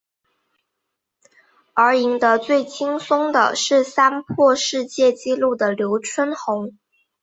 而赢得最轻松的是三破世界纪录的刘春红。